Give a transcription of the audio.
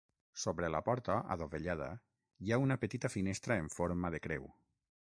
Sobre la porta, adovellada, hi ha una petita finestra en forma de creu.